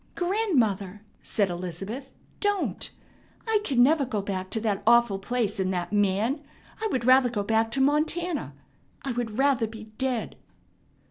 "Grandmother!" said Elizabeth. "Don't! I can never go back to that awful place and that man. I would rather go back to Montana. I would rather be dead."